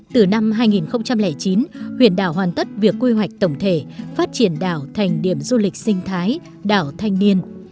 từ năm hai nghìn chín huyện đảo hoàn tất việc quy hoạch tổng thể phát triển đảo thành điểm du lịch sinh thái đảo thanh niên